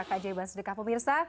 keajaiban sedekah pemirsa